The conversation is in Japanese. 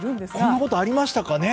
こんなことありましたかね。